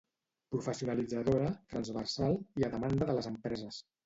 Professionalitzadora, transversal i a demanda de les empreses.